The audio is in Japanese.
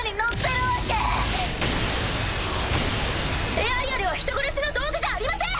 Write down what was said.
エアリアルは人殺しの道具じゃありません！